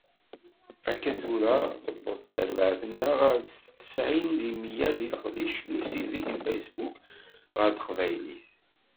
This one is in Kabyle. Akka tura tewweḍ terbaɛt-nneɣ ɣer tesɛin di meyya deg leqdic n usideg n Facebook ɣer teqbaylit.